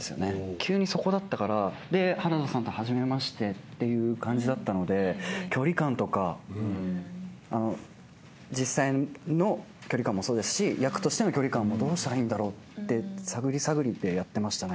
急にそこだったからで原田さんとはじめましてっていう感じだったので距離感とか実際の距離感もそうですし役としての距離感もどうしたらいいんだろうって探り探りでやってましたね